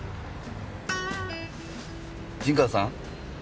陣川さん？